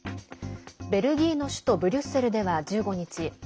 ベルギーの首都ブリュッセルでは１５日